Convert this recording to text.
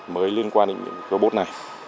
mới liên quan đến robot này